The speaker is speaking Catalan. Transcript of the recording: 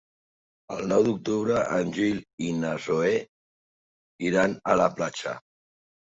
El nou d'octubre en Gil i na Zoè iran a la platja.